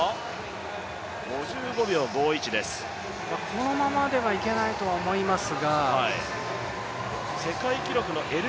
このままではいけないと思いますが。